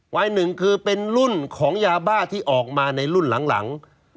หนึ่งคือเป็นรุ่นของยาบ้าที่ออกมาในรุ่นหลัง